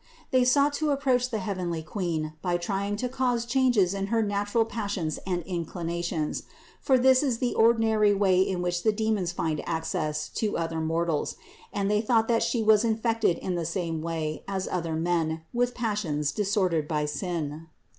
They sought to approach the heavenly Queen by trying to cause changes in her natural passions and inclinations, for this 272 CITY OF GOD is the ordinary way in which the demons find access to other mortals ; and they thought that She was infected in the same way as other men with passions disordered by sin.